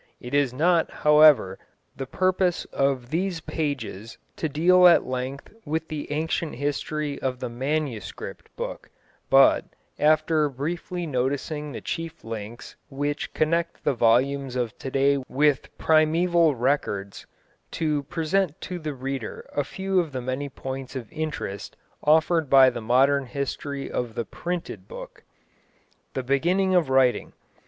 It is not, however, the purpose of these pages to deal at length with the ancient history of the manuscript book, but, after briefly noticing the chief links which connect the volumes of to day with primeval records, to present to the reader a few of the many points of interest offered by the modern history of the printed book. =The Beginning of Writing.